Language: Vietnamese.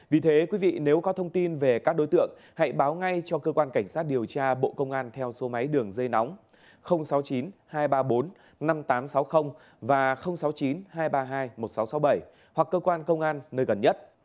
vì thế quý vị nếu có thông tin về các đối tượng hãy báo ngay cho cơ quan cảnh sát điều tra bộ công an theo số máy đường dây nóng sáu mươi chín hai trăm ba mươi bốn năm nghìn tám trăm sáu mươi và sáu mươi chín hai trăm ba mươi hai một nghìn sáu trăm sáu mươi bảy hoặc cơ quan công an nơi gần nhất